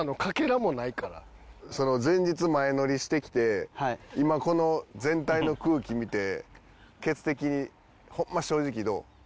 前日前乗りしてきて今この全体の空気見てケツ的にホンマ正直どう？